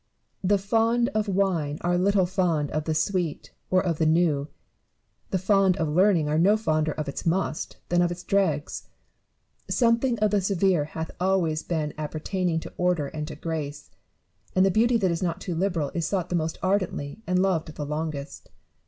The fond of wine are little fond of the sweet or of the new : the fond of learning are no fonder of its must than of its dregs. Something of the severe hath always been appertaining to order and to grace ; and the beauty that is not too liberal is sought the most ardently and loved the longest.